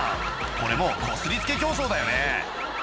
これもうこすりつけ競争だよね